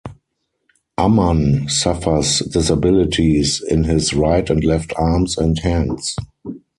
Ammann suffers disabilities in his right and left arms and hands.